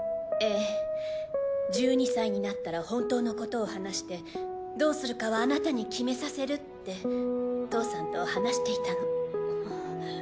えぇ１２歳になったら本当のことを話してどうするかはあなたに決めさせるって父さんと話していたの。